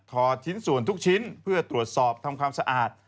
ชิ้นส่วนทุกชิ้นเพื่อตรวจสอบทำความสะอาด